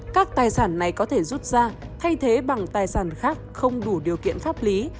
các tài sản này có thể rút ra thay thế bằng tài sản khác không đủ điều kiện pháp lý